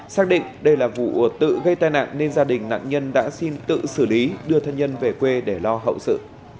xác định đây là vụ tự gây tai nạn nên gia đình nạn nhân đã xin tự xử lý đưa thân nhân về quê để lo hậu sự